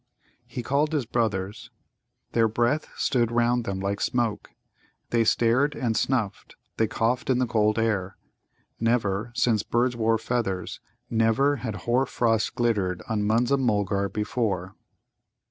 He called his brothers. Their breath stood round them like smoke. They stared and snuffed, they coughed in the cold air. Never, since birds wore feathers never had hoar frost glittered on Munza mulgar before.